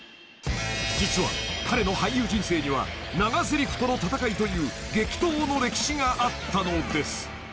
［実は彼の俳優人生には長ぜりふとの闘いという激闘の歴史があったのです］